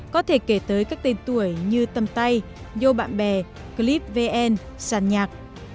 có thể kể tới các tên tuổi như tâm tây yo bạn bè clipvn sàn nhạc